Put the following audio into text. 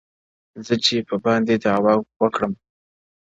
زه چـي په باندي دعوه وكړم”